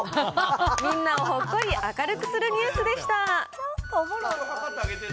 みんなをほっこり明るくするニュースでした。